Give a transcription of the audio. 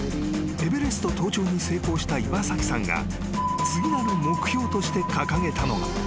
［エベレスト登頂に成功した岩崎さんが次なる目標として掲げたのが］